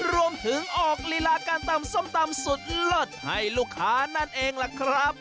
รวมถึงออกลีลาการตำส้มตำสุดเลิศให้ลูกค้านั่นเองล่ะครับ